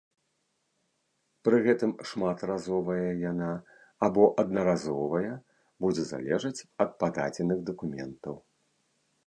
Пры гэтым шматразовая яна або аднаразовая будзе залежаць ад пададзеных дакументаў.